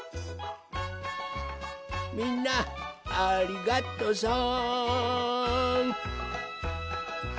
みんなありがとさん！